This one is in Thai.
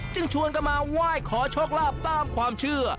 ชวนกันมาไหว้ขอโชคลาภตามความเชื่อ